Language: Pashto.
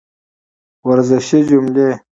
ورزشي جملې